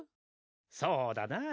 そうだなぁ。